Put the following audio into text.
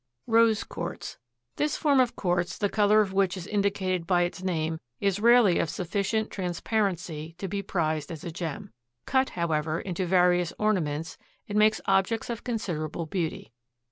Rose Quartz.—This form of quartz, the color of which is indicated by its name, is rarely of sufficient transparency to be prized as a gem. Cut, however, into various ornaments, it makes objects of considerable beauty.